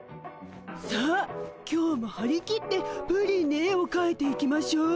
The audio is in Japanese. さあ今日もはり切ってプリンに絵をかいていきましょう。